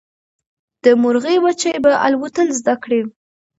د مرغۍ بچي به الوتل زده کړي.